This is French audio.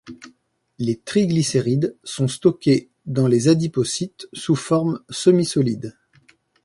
Les triglycérides sont stockés dans les adipocytes sous forme semi-solide.